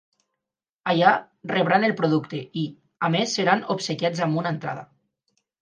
Allà, rebran el producte i, a més, seran obsequiats amb una entrada.